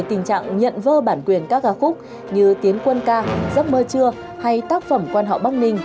tình trạng nhận vơ bản quyền các ca khúc như tiến quân ca giấc mơ trưa hay tác phẩm quan họ bắc ninh